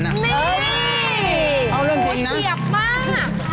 เอาเรื่องจริงนะเซียบมากครับ